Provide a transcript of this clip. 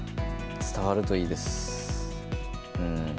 伝わるといいです。